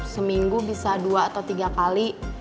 seminggu bisa dua atau tiga kali